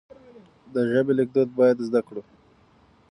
د ژبې ليکدود بايد زده کړو.